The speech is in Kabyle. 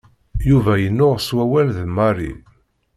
Yuba yennuɣ s wawal d Mary.